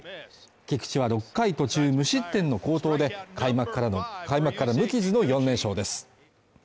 菊池は６回途中無失点の好投で開幕から無傷の４連勝です。